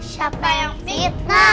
siapa yang fitnah